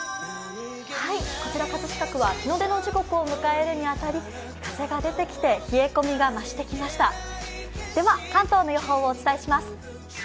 こちら葛飾区は日の出の時刻を迎えるに当たり風が出てきて冷え込みが増してきました。